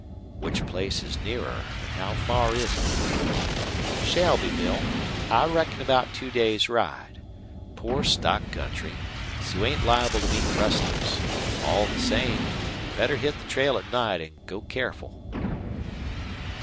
"Which place is nearer, and how far is it?" "Shelbyville. I reckon about two days' ride. Poor stock country, so you ain't liable to meet rustlers. All the same, better hit the trail at night an' go careful."